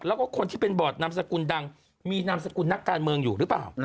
แล้วก็คนที่เป็นบอร์ดนามสกุลดังมีนามสกุลนักการเมืองอยู่หรือเปล่า